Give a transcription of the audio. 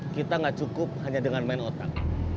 kita nggak cukup hanya dengan main otak